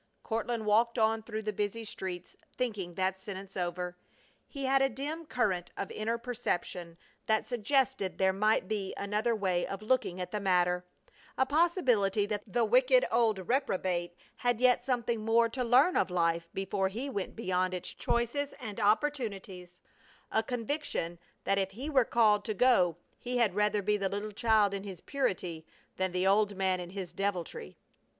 Courtland walked on through the busy streets, thinking that sentence over. He had a dim current of inner perception that suggested there might be another way of looking at the matter; a possibility that the wicked old reprobate had yet something more to learn of life before he went beyond its choices and opportunities; a conviction that if he were called to go he had rather be the little child in his purity than the old man in his deviltry.